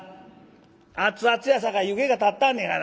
熱々やさかい湯気が立ったぁんねがな」。